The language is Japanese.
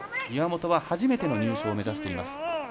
岩本は初めての入賞を目指しています。